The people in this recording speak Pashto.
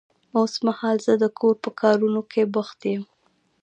اوس مهال زه د کور په کارونه کې بوخت يم.